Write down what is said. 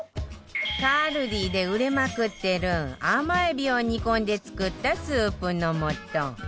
ＫＡＬＤＩ で売れまくってる甘えびを煮込んで作ったスープの素